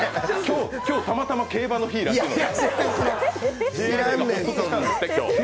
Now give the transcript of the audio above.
今日たまたま競馬の日らしいので。